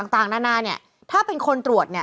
ต่างหน้าน่าถ้าเป็นคนตรวจ